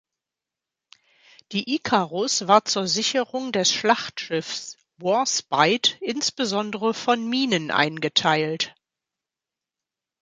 Die "Icarus" war zur Sicherung des Schlachtschiffs "Warspite" insbesondere vor Minen eingeteilt.